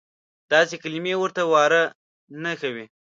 داسې کلیمې ورته واره نه کوي.